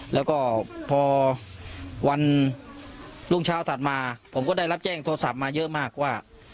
แล้วก็พอวันรุ่งเช้าถัดมาผมก็ได้รับแจ้งโทรศัพท์มาเยอะมากว่า